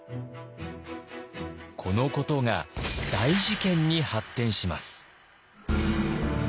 このことが大事件に発展します。